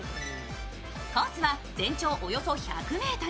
コースは全長およそ１００ｍ。